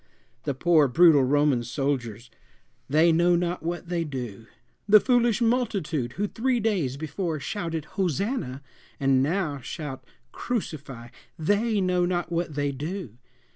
The poor brutal Roman soldiers they know not what they do! The foolish multitude who three days before shouted "Hosanna," and now shout "Crucify" they know not what they do!